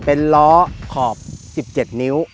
เป็นล้อขอบ๑๗นิ้ว